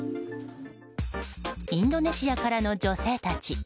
インドネシアからの女性たち。